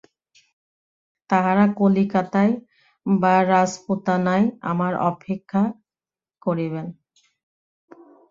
তাঁহারা কলিকাতায় বা রাজপুতানায় আমার অপেক্ষা করিবেন।